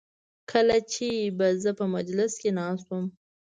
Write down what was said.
کله چې به زه په مجلس کې ناست وم.